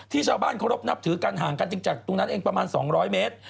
ชาวบ้านเคารพนับถือกันห่างกันจริงจากตรงนั้นเองประมาณ๒๐๐เมตร